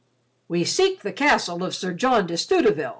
"We seek the castle of Sir John de Stutevill."